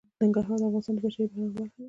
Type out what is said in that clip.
ننګرهار د افغانستان د بشري فرهنګ برخه ده.